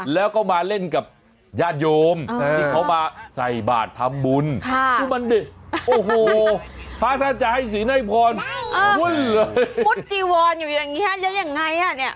แล้วก็มาเล่นกับญาติโยมที่เขามาใส่บาททำบุญพระท่านจะให้ศีลให้ผ่อนมุดจีวรอยู่อย่างนี้ยังไง